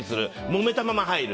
もめたまま入る。